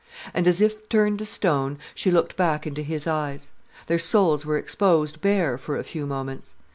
And as if turned to stone, she looked back into his eyes. Their souls were exposed bare for a few moments.